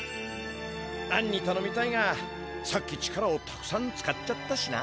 アンにたのみたいがさっき力をたくさん使っちゃったしな。